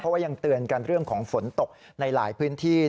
เพราะว่ายังเตือนกันเรื่องของฝนตกในหลายพื้นที่